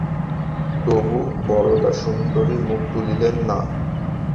তবু বরদাসুন্দরী মুখ তুলিলেন না।